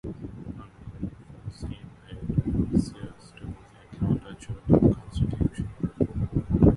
"I'm going full steam ahead," Sears told the "Atlanta Journal-Constitution".